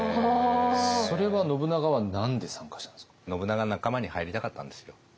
それは信長は何で参加したんですか？